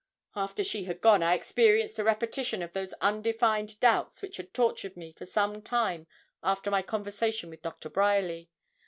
After she had gone, I experienced a repetition of those undefined doubts which had tortured me for some time after my conversation with Dr. Bryerly.